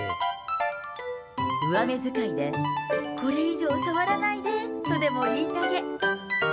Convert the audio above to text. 上目遣いで、これ以上触らないでとも言いたげ。